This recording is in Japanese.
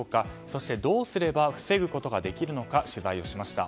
そして、どうすれば防ぐことができるのか取材をしました。